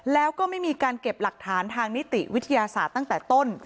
แล้วก็ไม่มีการเก็บหลักฐานทางนิติวิทยาศาสตร์ตั้งแต่ต้น